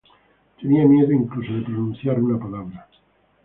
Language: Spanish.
Tenía miedo incluso de pronunciar una palabra.